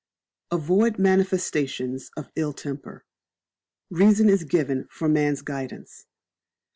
Avoid Manifestations of Ill temper. Reason is given for man's guidance.